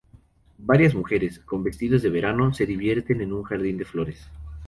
Varias mujeres, con vestidos de verano, se divierten en un jardín de flores.